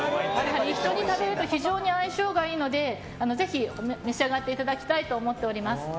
一緒に食べると非常に相性がいいのでぜひ召し上がっていただきたいと思っております。